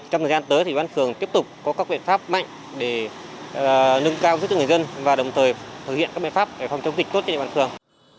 trong thời gian tới thì ủy ban phường tiếp tục có các biện pháp mạnh để nâng cao giúp cho người dân và đồng thời thực hiện các biện pháp để phòng chống dịch tốt trên địa bàn phường